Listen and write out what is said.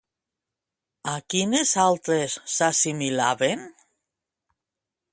A quines altres s'assimilaven?